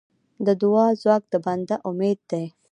د دعا ځواک د بنده امید دی.